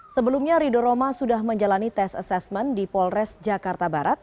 sebelumnya rido roma sudah menjalani tes asesmen di polres jakarta barat